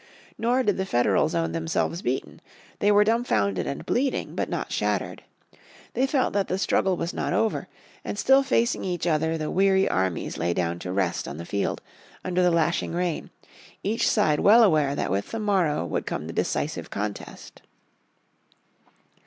Nor did the Federals own themselves beaten. They were dumbfounded and bleeding, but not shattered. They felt that the struggle was not over, and still facing each other the weary armies lay down to rest on the field, under the lashing rain, each side well aware that with the morrow would come the decisive contest.